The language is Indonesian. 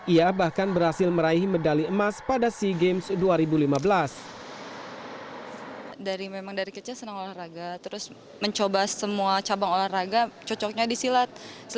ia bahkan berhasil meraih medali emas pada sea games dua ribu lima belas